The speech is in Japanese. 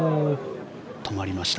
止まりました。